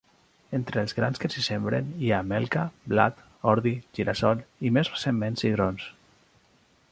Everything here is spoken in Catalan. Entre els grans que s'hi sembren hi ha melca, blat, ordi, gira-sol i més recentment cigrons.